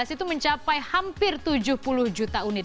itu mencapai hampir tujuh puluh juta unit